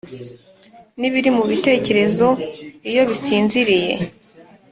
nibiri mubitekerezo iyo bisinziriye,